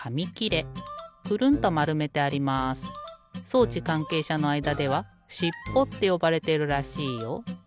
装置かんけいしゃのあいだではしっぽってよばれているらしいよ。